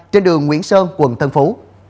trên đường nguyễn sơn quận tân phú